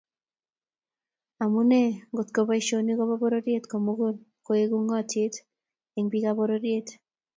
Amune ngotko boisionik kobo pororiet komugul koek ungotiet eng bikap pororiet